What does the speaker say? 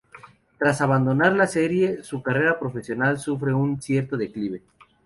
Tras abandonar la serie, su carrera profesional sufre un cierto declive.